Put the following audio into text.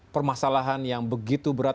permasalahan yang begitu berat